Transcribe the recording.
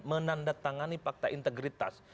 menandatangani fakta integritas